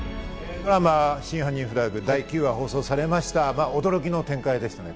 ドラマ『真犯人フラグ』第９話が放送されましたが驚きの展開ですね。